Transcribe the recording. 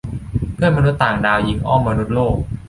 เพื่อนมนุษย์ต่างดาวยิงอ้อมมนุษย์โลก !